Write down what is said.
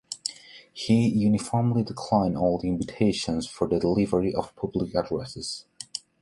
He uniformly declined all invitations for the delivery of public addresses.